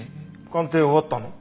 鑑定終わったの？